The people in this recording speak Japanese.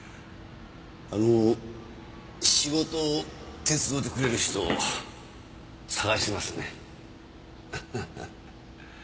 あの仕事を手伝うてくれる人を探してますねん。